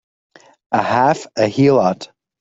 A half a heelot!